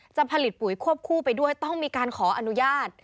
จะผลิตปุ๋ยควบคู่ไปด้วยต้องมีการขออนุญาต